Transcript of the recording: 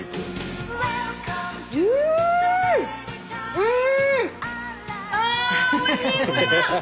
うん！